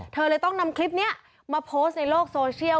เธอเลยต้องนำคลิปนี้มาโพสต์ในโลกโซเชียล